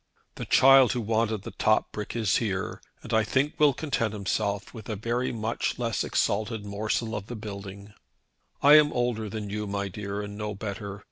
"The child who wanted the top brick is here, and I think will content himself with a very much less exalted morsel of the building. I am older than you, my dear, and know better.